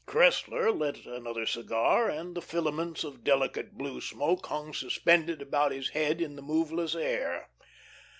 Cressler lit another cigar, and the filaments of delicate blue smoke hung suspended about his head in the moveless air.